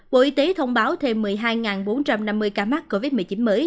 bộ y tế thông báo thêm một mươi hai bốn trăm năm mươi ca mắc covid một mươi chín mới